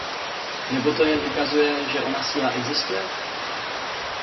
Nebo to jen ukazuje, že ona síla existuje?